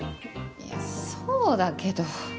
いやそうだけど。